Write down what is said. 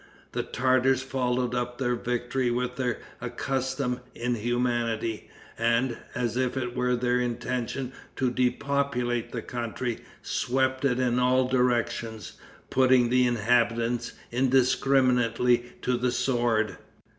The Tartars followed up their victory with their accustomed inhumanity, and, as if it were their intention to depopulate the country, swept it in all directions, putting the inhabitants indiscriminately to the sword.